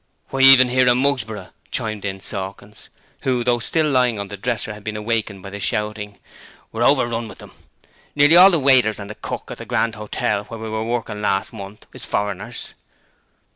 'Why, even 'ere in Mugsborough,' chimed in Sawkins who though still lying on the dresser had been awakened by the shouting 'We're overrun with 'em! Nearly all the waiters and the cook at the Grand Hotel where we was working last month is foreigners.'